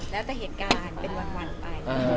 แล้วแต่เหตุการณ์เป็นวันไป